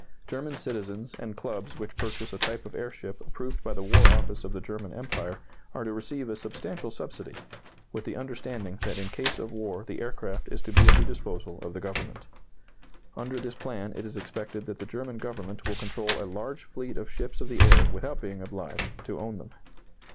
German citizens and clubs which purchase a type of airship approved by the War Office of the German Empire are to receive a substantial subsidy, with the understanding that in case of war the aircraft is to be at the disposal of the Government. Under this plan it is expected that the German Government will control a large fleet of ships of the air without being obliged to own them.